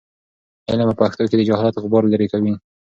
علم په پښتو کې د جهالت غبار لیرې کوي.